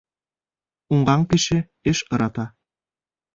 Уңған кеше эш ырата